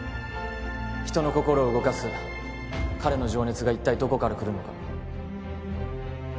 人の心を動かす彼の情熱が一体どこからくるのか